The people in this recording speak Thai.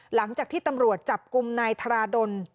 หลังจากที่ตำรวจจับกลุ่มนายธราดล